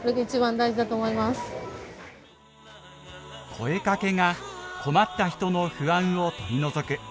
「声かけ」が困った人の不安を取り除く。